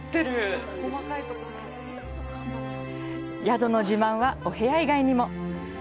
宿の自慢は、お部屋以外にも。